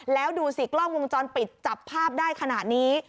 แล้วดูสิกล้องวงจรปิดจับภาพได้ขนาดนี้